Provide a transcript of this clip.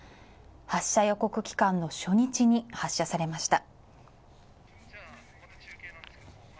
発射予告期間の初日に発射されました。